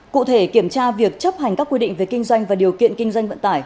cụ thể kiểm tra việc chấp hành các quy định về kinh doanh và điều kiện kinh doanh vận tải